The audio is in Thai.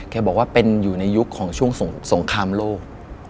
บอกว่าเป็นอยู่ในยุคของช่วงสงครามโลก